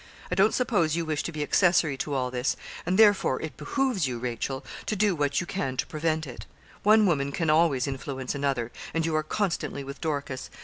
I don't suppose you wish to be accessory to all this, and therefore it behoves you, Rachel, to do what you can to prevent it. One woman can always influence another, and you are constantly with Dorcas.